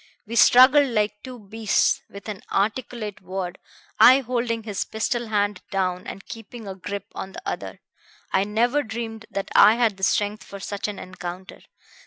We struggled like two beasts, without an articulate word, I holding his pistol hand down and keeping a grip on the other. I never dreamed that I had the strength for such an encounter.